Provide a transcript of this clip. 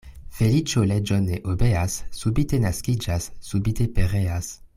Feliĉo leĝon ne obeas, subite naskiĝas, subite pereas.